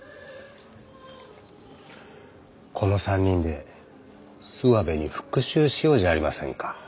この３人で諏訪部に復讐しようじゃありませんか。